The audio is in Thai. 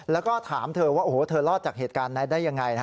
แล้วก็ถามเธอว่าโอ้โหเธอรอดจากเหตุการณ์นั้นได้ยังไง